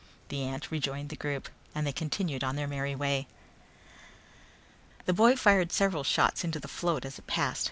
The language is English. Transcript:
The ant rejoined the group and they continued on their merry way. The boy fired several shots into the float as it passed.